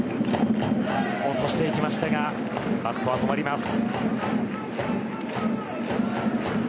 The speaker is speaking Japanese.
落としていきましたがバットは止まります。